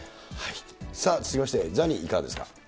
さあ、続きまして、ザニー、いかがですか。